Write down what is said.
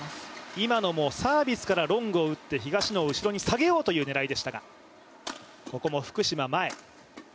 今のも、サービスからロングを打って東野を後ろに下げようという狙いでしたが。